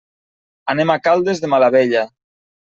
Anem a Caldes de Malavella.